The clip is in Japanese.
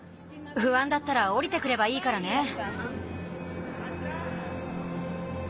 ふあんだったらおりてくればいいからね。